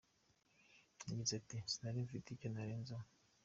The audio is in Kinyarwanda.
Yagize ati : “Sinari mfite icyo narenzaho.